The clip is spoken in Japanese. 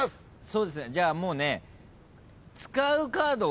そうですねじゃあもうね使うカード